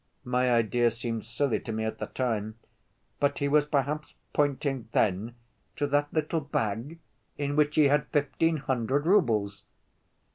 My idea seemed silly to me at the time, but he was perhaps pointing then to that little bag in which he had fifteen hundred roubles!"